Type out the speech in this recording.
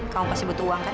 kamu pasti butuh uang kan